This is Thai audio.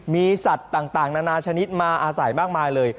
มีสัตว์ต่างนานาชนิดมาอาศัยมากมายเลย